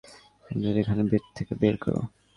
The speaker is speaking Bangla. আমাদের এখান থেকে বের করো!